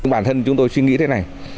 bản thân chúng tôi suy nghĩ thế này